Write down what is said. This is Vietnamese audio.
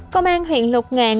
công an huyện lục ngàn